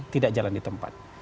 tidak jalan di tempat